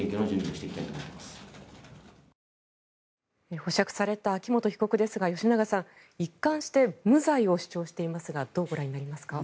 保釈された秋元被告ですが吉永さん、一貫して無罪を主張していますがどうご覧になりますか？